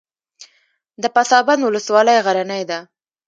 د پسابند ولسوالۍ غرنۍ ده